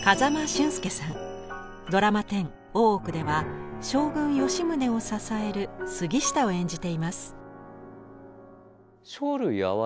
ドラマ１０「大奥」では将軍吉宗を支える杉下を演じています。